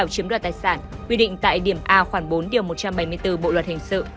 chiếm đoạt tài sản quy định tại điểm a khoảng bốn điều một trăm bảy mươi bốn bộ luật hình sự